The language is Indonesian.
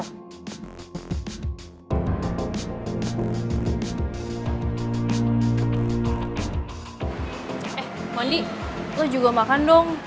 eh mandi lo juga makan dong